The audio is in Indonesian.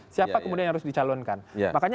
siapa kemudian harus dicalonkan